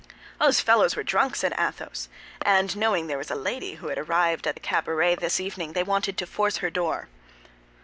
"These fellows were drunk," said Athos, "and knowing there was a lady who had arrived at the cabaret this evening, they wanted to force her door."